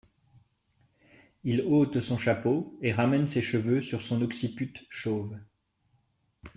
Il ôte son chapeau et ramène ses cheveux sur son occiput chauve.